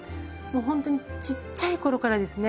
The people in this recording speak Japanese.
もうほんとにちっちゃい頃からですね。